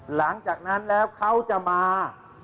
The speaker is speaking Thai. หลังจากนั้นแล้วเขาจะมา